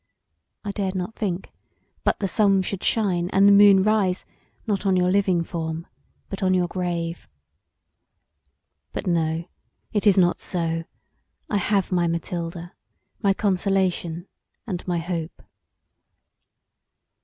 I dared not think that the sun should shine and the moon rise not on your living form but on your grave. But, no, it is not so; I have my Mathilda, my consolation, and my hope."